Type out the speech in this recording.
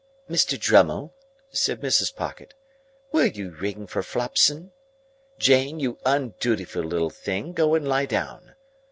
"Mr. Drummle," said Mrs. Pocket, "will you ring for Flopson? Jane, you undutiful little thing, go and lie down.